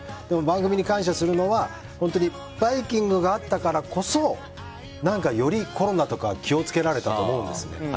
でも番組に感謝するのは本当に「バイキング」があったからこそ何かよりコロナとか気を付けられたと思うんですね。